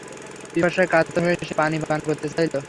পিপাসায় কাতর হয়ে সে পানি পান করতে চাইল।